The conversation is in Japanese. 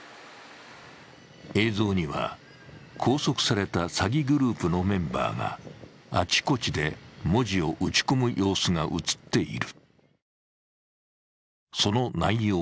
映像には、拘束された詐欺グループのメンバーがあちこちで文字を打ち込む様子が映っている。